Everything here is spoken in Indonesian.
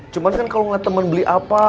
cuman kan kalau gak temen beli apa